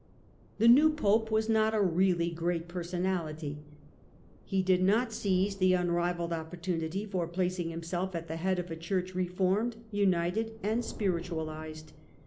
The new Pope was not a really great personality. He did not seize the unrivalled opportunity for placing himself at the head of a Church reformed, united, and spiritualised.